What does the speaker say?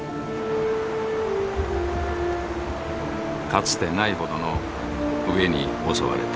かつてないほどの飢えに襲われた。